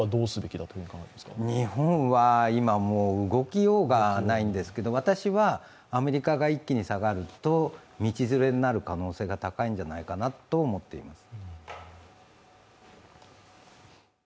日本は今、動きようがないんですけれども、私はアメリカが一気に下がると、道連れになる可能性が高いんじゃないかと思っています。